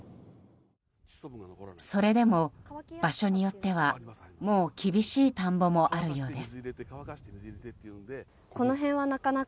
それでも場所によってはもう厳しい田んぼもあるようです。